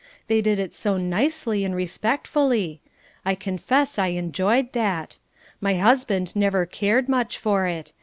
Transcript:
They did it so nicely and respectfully. I confess I enjoyed that. My husband never cared much for it.